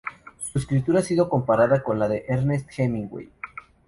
Su escritura ha sido comparada con la de Ernest Hemingway.